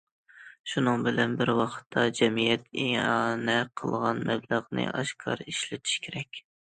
شۇنىڭ بىلەن بىر ۋاقىتتا جەمئىيەت ئىئانە قىلغان مەبلەغنى ئاشكارا ئىشلىتىش كېرەك.